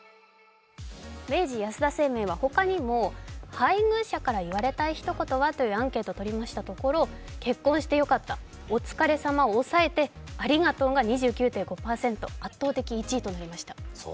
明治安田生命は他にも配偶者から言われたい一言はというアンケートをとりましたところ、結婚してよかった、お疲れさまを押さえてありがとうが２９．５％、圧倒的１位となりました。